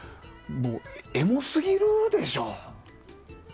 エモすぎるでしょ。